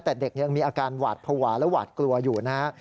แต่เด็กยังมีอาการหวาดภาวะและหวาดกลัวอยู่นะฮะ